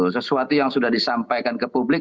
sesuatu yang sudah disampaikan ke publik